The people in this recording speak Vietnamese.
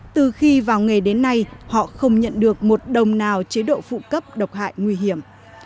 từ khi vào nghề đến nay họ không nhận được một đồng nào chế độ phụ cấp độc hại nguy hiểm